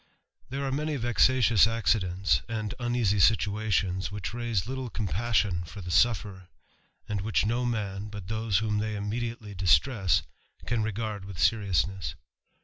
" T^HERE are many vexatious accidents and uneasy sittt ^ ations which raise little compassion for the sufferer, and which no man but those whom they immediatdy distress can regard with seriousness.